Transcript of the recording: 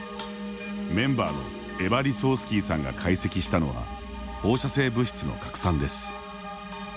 メンバーのエヴァ・リソウスキーさんが解析したのは放射性物質の拡散です。